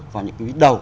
và những quý đầu